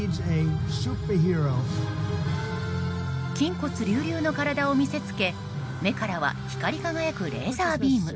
筋骨隆々の体を見せつけ目からは光り輝くレーザービーム。